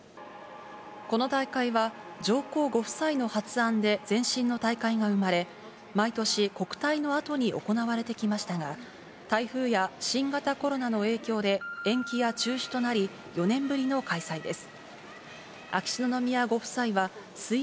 この大会は、上皇ご夫妻の発案で前身の大会が生まれ、毎年、国体のあとに行われてきましたが、台風や新型コロナの影響で、延期や中止となり、４年ぶりの開催です。